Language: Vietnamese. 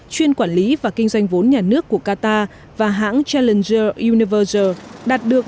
chuyên quản lý và kinh doanh vốn nhà nước của qatar và hãng challenger universal đạt được